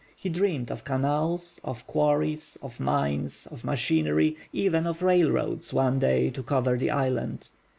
He dreamed of canals, of quarries, of mines, of machinery, even of railroads, one day, to cover the island.